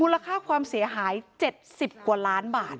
ราคาความเสียหาย๗๐กว่าล้านบาท